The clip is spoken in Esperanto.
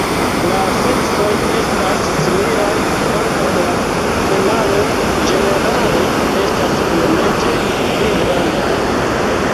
La seksoj estas similaj kvankam la femaloj ĝenerale estas iomete pli grandaj.